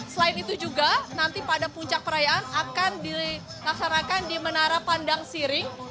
selain itu juga nanti pada puncak perayaan akan dilaksanakan di menara pandang siring